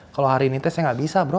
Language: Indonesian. kalau hari ini tes saya gak bisa bro